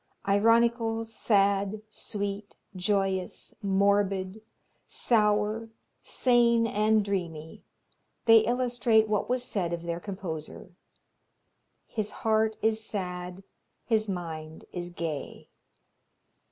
Ironical, sad, sweet, joyous, morbid, sour, sane and dreamy, they illustrate what was said of their composer "his heart is sad, his mind is gay."